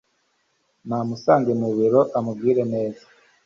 namusange mubiro amubwire neza